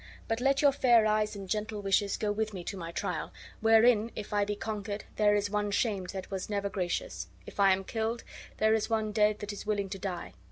But let your fair eyes and gentle wishes go with me to my trial, wherein if I be conquered there is one shamed that was never gracious; if I am killed, there is one dead that is willing to die.